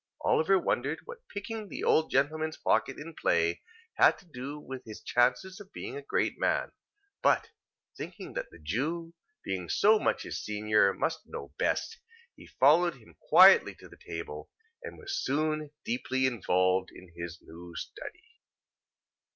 Oliver wondered what picking the old gentleman's pocket in play, had to do with his chances of being a great man. But, thinking that the Jew, being so much his senior, must know best, he followed him quietly to the table, and was soon deeply involved in his new study.